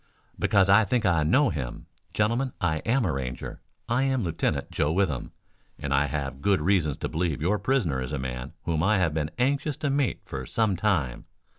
"Because I think I know him. Gentlemen, I am a Ranger. I am Lieutenant Joe Withem, and I have good reasons to believe your prisoner is a man whom I have been anxious to meet for some time.